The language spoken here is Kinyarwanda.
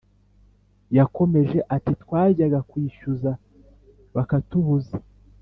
yakomeje ati Twajyaga kwishyuza bakatubuza